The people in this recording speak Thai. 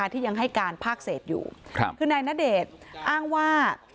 ที่ยังให้การภาคเศษอยู่คือนายณเดชน์อ้างว่า